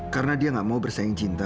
karena dia nggak mau bersaing cinta